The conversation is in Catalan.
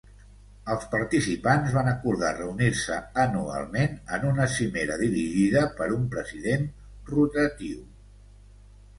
Els participants van acordar reunir-se anualment en una cimera dirigida per un president rotatiu.